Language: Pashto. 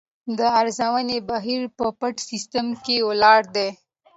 د ارزونې بهیر په پټ سیستم ولاړ دی.